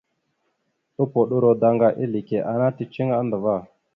Tupoɗoro daŋgwal eleke ana ticiŋa andəva.